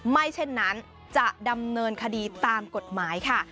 ไม่เช่นนั้นจะดำเนินคดีตามกฎหมายค่ะ